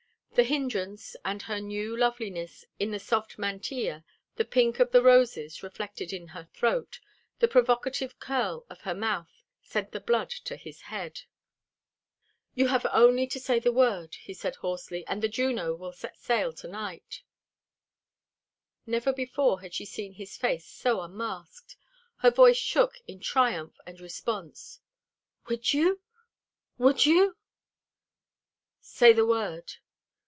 The hindrance, and her new loveliness in the soft mantilla, the pink of the roses reflected in her throat, the provocative curl of her mouth, sent the blood to his head. "You have only to say the word," he said hoarsely, "and the Juno will sail to night." Never before had she seen his face so unmasked. Her voice shook in triumph and response. "Would you? Would you?" "Say the word!"